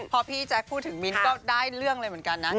พอพี่แจ๊คพูดถึงมิ้นก็ได้เรื่องเลยเหมือนกันนะ